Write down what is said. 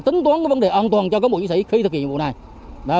tính toán vấn đề an toàn cho cán bộ chiến sĩ khi thực hiện nhiệm vụ này